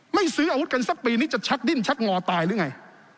ไม่ซื้ออาวุธกันสักปีนี้จะชักดิ้นชักงอตายหรือไง